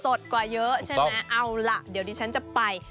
สดกว่าเยอะใช่ไหมเอาล่ะเดี๋ยวดิฉันจะไป